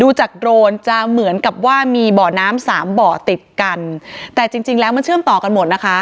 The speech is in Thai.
ดูจากโรนจะเหมือนกับว่ามีบ่อน้ำสามบ่อติดกันแต่จริงจริงแล้วมันเชื่อมต่อกันหมดนะคะ